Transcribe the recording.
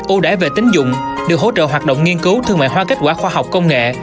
ưu đải về tính dụng được hỗ trợ hoạt động nghiên cứu thương mại hoa kết quả khoa học công nghệ